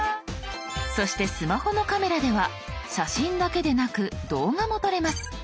そしてスマホのカメラでは写真だけでなく動画も撮れます。